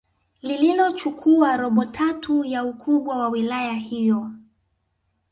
lililochukua robo tatu ya ukubwa wa wilaya hiyo